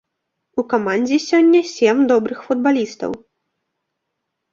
У камандзе сёння сем добрых футбалістаў.